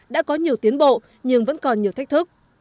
đã có nhiều tiến bộ nhưng vẫn còn nhiều thách thức